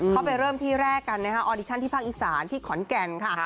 เขาไปเริ่มที่แรกกันนะคะออดิชั่นที่ภาคอีสานที่ขอนแก่นค่ะ